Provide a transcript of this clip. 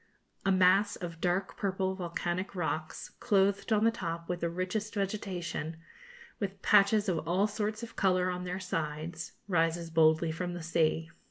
A mass of dark purple volcanic rocks, clothed on the top with the richest vegetation, with patches of all sorts of colour on their sides, rises boldly from the sea.